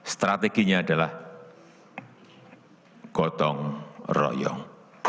strateginya adalah gotong royong